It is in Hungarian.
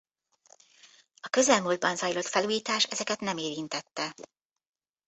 A közelmúltban zajlott felújítás ezeket nem érintette.